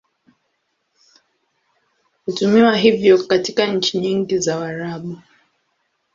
Hutumiwa hivyo katika nchi nyingi za Waarabu.